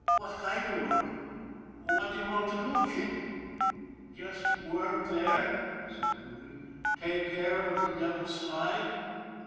" What kind of work ? What do you want to do, Chick?" " Just work there," said Coogan. " Take care of the Devil's Slide."